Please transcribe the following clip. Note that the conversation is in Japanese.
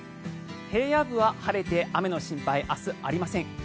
平野部は晴れて雨の心配は明日、ありません。